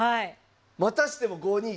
またしても５二銀。